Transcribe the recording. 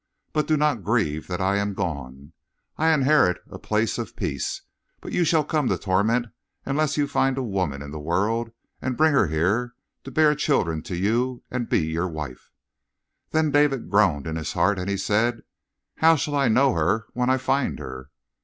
But do not grieve that I am gone. I inherit a place of peace, but you shall come to torment unless you find a woman in the world and bring her here to bear children to you and be your wife.' "Then David groaned in his heart and he said: 'How shall I know her when I find her?'